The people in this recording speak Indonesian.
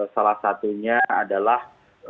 salah satunya adalah